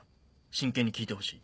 真剣に聞いてほしい。